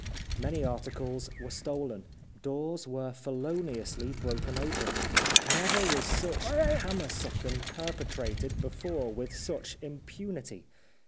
Many articles were stolen ; doors were feloniously broken open. Never was such hamesucken perpetrated before with such im punity.